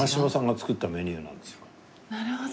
なるほど。